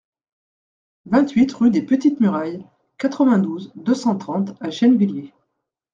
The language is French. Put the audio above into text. vingt-huit rue des Petites Murailles, quatre-vingt-douze, deux cent trente à Gennevilliers